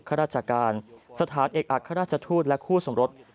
ข้าราชการสถานเอกอัครราชทูตและคู่สมรส